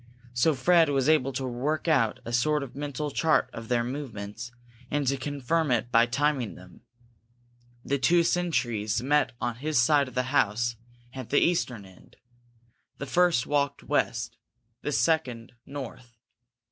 So Fred was able to work out a sort of mental chart of their movements, and to confirm it by timing them. The two sentries met on his side of the house at the eastern end. The first walked west, the second north.